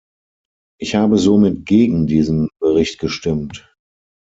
Ich habe somit gegen diesen Bericht gestimmt.